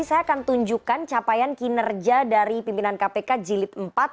saya akan tunjukkan capaian kinerja dari pimpinan kpk jilid empat